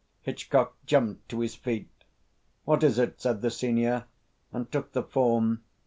Hitchcock jumped to his feet. "What is it?" said the senior, and took the form.